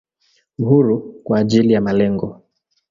Uhuru kwa ajili ya malengo.